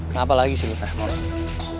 tuh apa lagi sih lipeh mohon